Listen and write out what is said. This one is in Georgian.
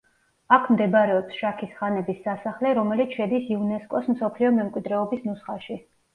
აქ მდებარეობს შაქის ხანების სასახლე რომელიც შედის იუნესკოს მსოფლიო მემკვიდრეობის ნუსხაში.